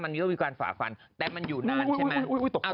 มันก็มีการฝ่าฟันแต่มันอยู่นานใช่ไหม